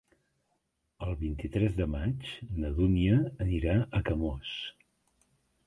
El vint-i-tres de maig na Dúnia anirà a Camós.